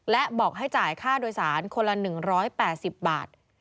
และบอกให้จ่ายค่าโดยสารคนละ๑๘๐บาท